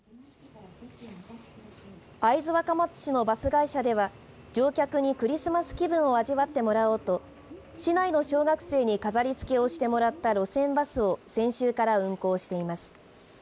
会津若松市のバス会社では乗客にクリスマス気分を味わってもらおうと市内の小学生に飾りつけをしてもらった路線バスを先週から運行しています。